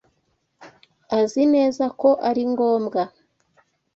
Azineza ko ari ngombwa?